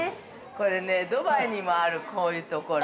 ◆これね、ドバイにもある、こういうところ。